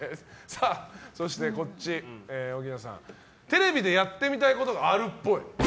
そして、奥菜さん、テレビでやってみたいことがあるっぽい。